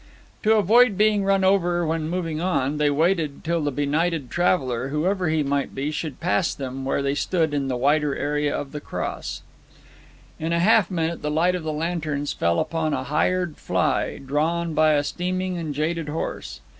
To avoid being run over when moving on, they waited till the benighted traveller, whoever he might be, should pass them where they stood in the wider area of the Cross. In half a minute the light of the lanterns fell upon a hired fly, drawn by a steaming and jaded horse.